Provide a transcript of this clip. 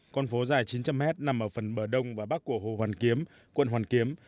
con phố dài chín trăm linh mét nằm ở phần bờ đông và bắc của hồ hoàn kiếm quận hoàn kiếm